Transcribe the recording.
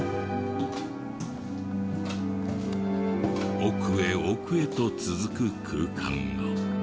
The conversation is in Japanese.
奥へ奥へと続く空間が。